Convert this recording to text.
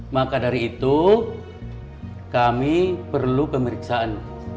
maka dari itu kami perlu pemeriksaan